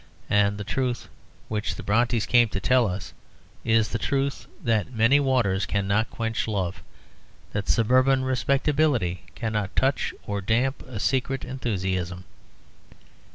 And the truth which the Brontës came to tell us is the truth that many waters cannot quench love, and that suburban respectability cannot touch or damp a secret enthusiasm.